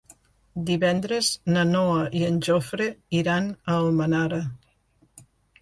Divendres na Noa i en Jofre iran a Almenara.